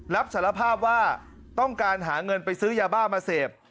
รับสารภาพว่าต้องการหาเงินไปซื้อยาบ้ามาเสพ